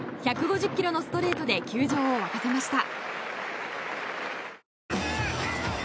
１５０ｋｍのストレートで球場を沸かせました。